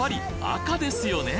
赤ですね